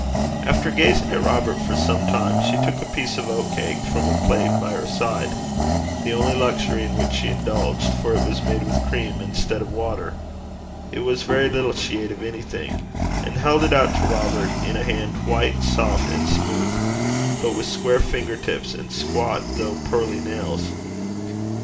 After gazing at Robert for some time, she took a piece of oat cake from a plate by her side, the only luxury in which she indulged, for it was made with cream instead of water it was very little she ate of anything and held it out to Robert in a hand white, soft, and smooth, but with square finger tips, and squat though pearly nails.